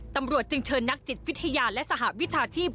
ตำรวจจึงเชิญนักจิตวิทยาและสหวิชาชีพ